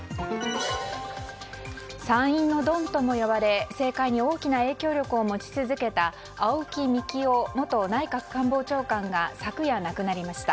参院のドンともいわれ政界に大きな影響力を持ち続けた青木幹雄元内閣官房長官が昨夜亡くなりました。